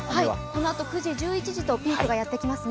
このあと９時、１１時とピークがやってきます。